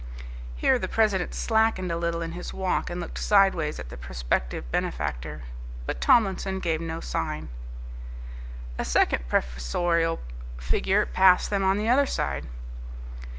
Here the president slackened a little in his walk and looked sideways at the prospective benefactor. But Tomlinson gave no sign. A second professorial figure passed them on the other side.